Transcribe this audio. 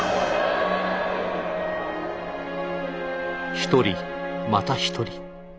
一人また一人。